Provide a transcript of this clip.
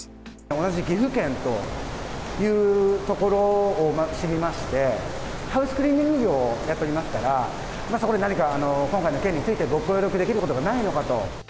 同じ岐阜県というところを知りまして、ハウスクリーニング業をやっておりますから、そこで何か今回の件について、ご協力できることがないのかと。